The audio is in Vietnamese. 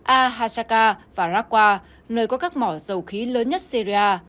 al hasakah và raqqa nơi có các mỏ dầu khí lớn nhất syria